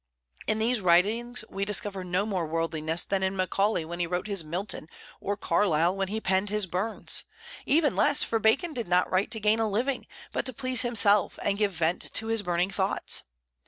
In these writings we discover no more worldliness than in Macaulay when he wrote his "Milton," or Carlyle when he penned his "Burns," even less, for Bacon did not write to gain a living, but to please himself and give vent to his burning thoughts.